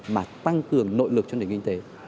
mà tăng cường nội lực cho nền kinh tế